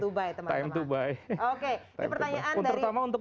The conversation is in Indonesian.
oke pertanyaan dari terutama untuk